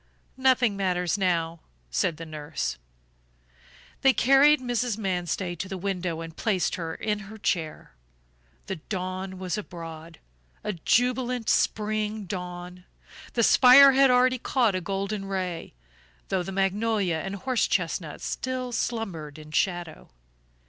"Nothing matters now," said the nurse. They carried Mrs. Manstey to the window and placed her in her chair. The dawn was abroad, a jubilant spring dawn; the spire had already caught a golden ray, though the magnolia and horse chestnut still slumbered in shadow.